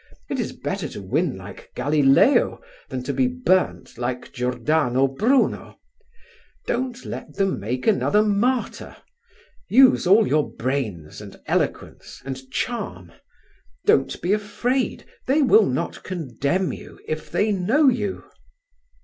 It is better to win like Galileo than to be burnt like Giordano Bruno. Don't let them make another martyr. Use all your brains and eloquence and charm. Don't be afraid. They will not condemn you if they know you."